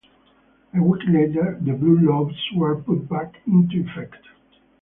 A week later, the blue laws were put back into effect.